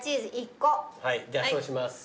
はいじゃあそうします。